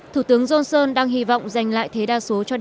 thủ tướng johnson đang hy vọng giành lại thế đa số